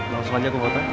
langsung aja aku foto